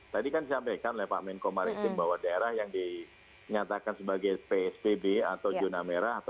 tadi kan disampaikan pak amin komaritim bahwa daerah yang dinyatakan sebagai pspb atau juna merah